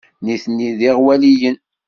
Nitni d iɣwaliyen.